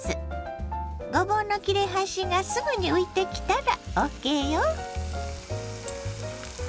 ごぼうの切れ端がすぐに浮いてきたらＯＫよ。